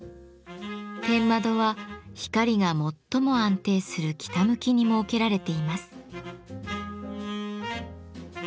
天窓は光が最も安定する北向きに設けられています。